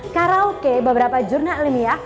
karaoke beberapa jurnal nih ya